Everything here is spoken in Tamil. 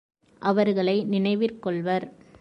அவர்களை நினைவிற் கொள்வர்.